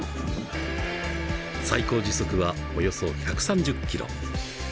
最高時速はおよそ１３０キロ。